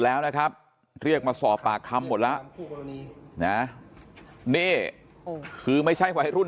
แล้วนะครับเรียกมาสอบปากคำหมดแล้วนะนี่คือไม่ใช่วัยรุ่น